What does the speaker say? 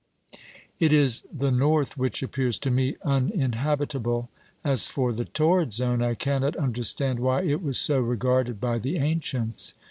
It is the north which appears to me uninhabitable ; as for the torrid zone I cannot understand why it was so regarded by the ancients.